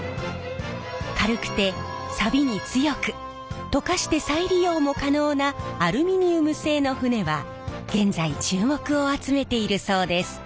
軽くてさびに強く溶かして再利用も可能なアルミニウム製の船は現在注目を集めているそうです。